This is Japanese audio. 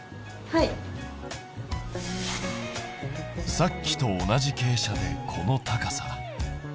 さっきと同じ傾斜でこの高さだ。